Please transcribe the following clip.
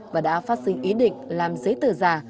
và đã phát sinh ý định làm giấy tờ giả